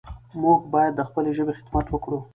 موږ باید د خپلې ژبې خدمت وکړو.